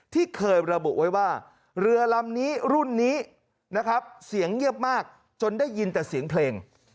ที่เคยระบุไว้ว่าเรือลำนี้รุ่นนี้นะครับเสียงเงียบมากจนได้ยินแต่เสียงเพลง